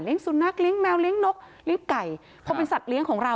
เลี้ยงสุนัขเลี้ยงแมวเลี้ยงนกเลี้ยงไก่เขาเป็นสัตว์เลี้ยงของเรา